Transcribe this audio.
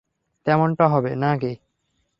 তেমনটা হবে না-কি?